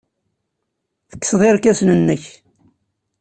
Tekkseḍ irkasen-nnek.